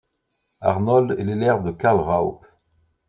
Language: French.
Arnold est l'élève de Karl Raupp.